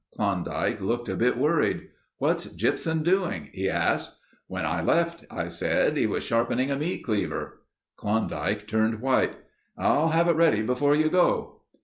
Klondike looked a bit worried. 'What's Gypsum doing?' he asked. 'When I left,' I said, 'he was sharpening a meat cleaver.' Klondike turned white. 'I'll have it ready before you go.